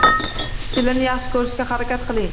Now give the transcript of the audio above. Kelinni yaxshi ko`rishga harakat qiling